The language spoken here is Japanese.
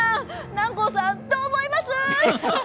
南光さんどう思います？